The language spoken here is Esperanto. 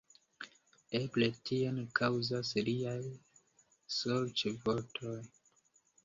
Eble tion kaŭzas liaj sorĉvortoj.